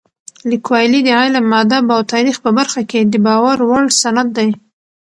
لیکوالی د علم، ادب او تاریخ په برخه کې د باور وړ سند دی.